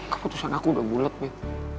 keputusan aku udah bulet gitu